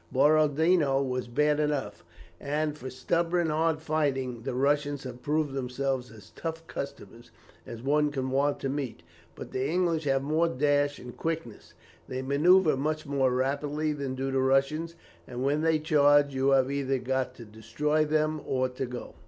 Borodino was bad enough, and for stubborn, hard fighting, the Russians have proved themselves as tough customers as one can want to meet; but the English have more dash and quickness. They manoeuvre much more rapidly than do the Russians, and when they charge, you have either got to destroy them or to go."